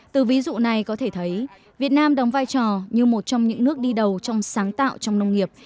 từ ví dụ này có thể thấy việt nam đóng vai trò như một trong những nước đi đầu trong sáng tạo trong nông nghiệp